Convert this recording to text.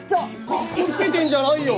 カッコつけてんじゃないよ。